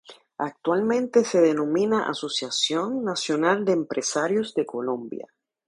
Actualmente se denomina Asociación Nacional de Empresarios de Colombia.